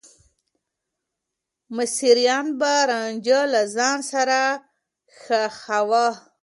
مصريان به رانجه له ځان سره ښخاوه.